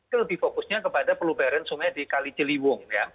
lebih fokusnya kepada pelubaran semuanya di kali ciliwung